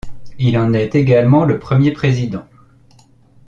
Il en est également le premier Président.